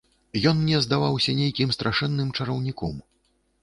Ён мне здаваўся нейкім страшэнным чараўніком.